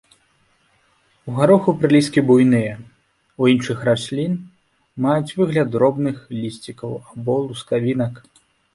У гароху прылісткі буйныя, у іншых раслін маюць выгляд дробных лісцікаў або лускавінак.